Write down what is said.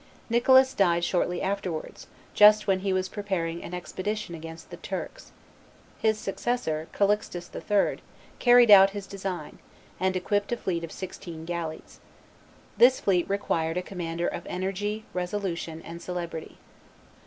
Nicholas died shortly afterwards, just when he was preparing an expedition against the Turks. His successor, Calixtus III., carried out his design, and equipped a fleet of sixteen galleys. This fleet required a commander of energy, resolution, and celebrity.